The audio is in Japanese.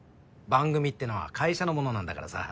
番組ってのは会社のものなんだからさ